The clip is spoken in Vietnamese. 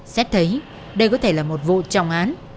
xét thấy đây có thể là một vụ trọng án